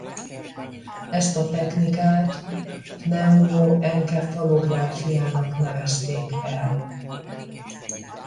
Ezt a technikát pneumo-enkefalográfiának nevezték el.